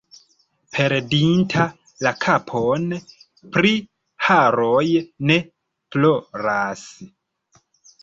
Perdinta la kapon pri haroj ne ploras.